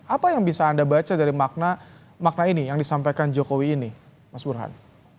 apa yang bisa anda baca dari makna ini yang disampaikan jokowi ini mas burhan